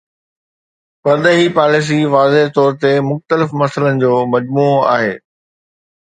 پرڏيهي پاليسي واضح طور تي مختلف مسئلن جو مجموعو آهي.